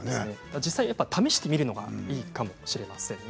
実際に試してみるのがいいかもしれませんね。